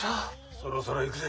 そろそろいくぜ。